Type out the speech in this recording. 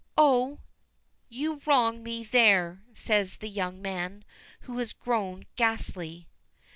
Oh " "You wrong me there," says the young man, who has grown ghastly.